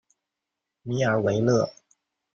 米尔维勒。